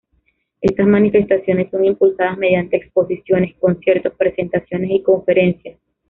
Estas manifestaciones son impulsadas mediante exposiciones, conciertos, presentaciones, y conferencias.